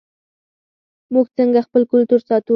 موږ څنګه خپل کلتور ساتو؟